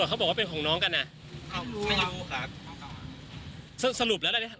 จู่เขาก็มาจับเรานี่หรอ